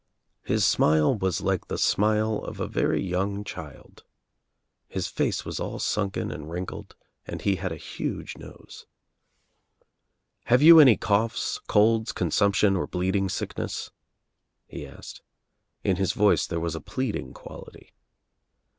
His smile was like the smile of a very young child. His face was all sunken and wrinkled and he had a huge nose. "Have you any coughs, colds, consumption or bleed ing sickness?" he asked. In his voice there was a pleading quality.